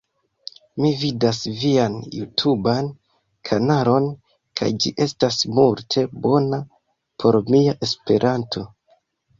Mi vidas vian jutuban kanalon kaj ĝi estas multe bona por mia Esperanto